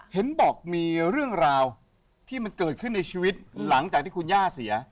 เห็นบอกมีเรื่องราวที่มันเกิดขึ้นในชีวิตหลังจากที่คุณย่าเสีย